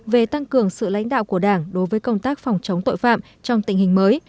về tăng cường sự lãnh đạo của đảng đối với công tác phòng chống tội phạm trong tình hình mới